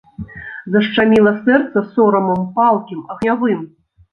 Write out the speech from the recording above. Зашчаміла сэрца сорамам, палкім, агнявым.